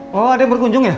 oh ada yang berkunjung ya